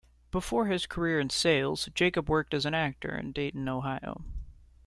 Before his career in sales, Jacob worked as an actor in Dayton, Ohio.